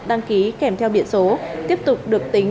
đăng ký kèm theo biển số tiếp tục được tính